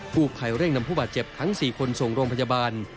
ผู้ภัยเร่งนำผู้บาดเจ็บทั้ง๔คนส่งโรงพยาบาล